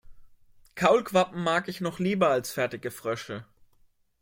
Kaulquappen mag ich noch lieber als fertige Frösche.